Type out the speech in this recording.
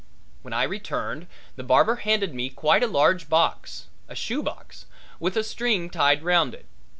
When I returned the head barber handed me quite a large box a shoebox with a string tied round it.